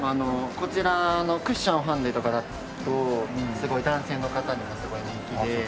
こちらのクッションファンデとかだとすごい男性の方にもすごい人気で。